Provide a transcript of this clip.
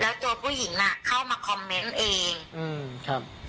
แล้วตัวผู้หญิงอ่ะเข้ามาคอมเมนต์เองอืมครับ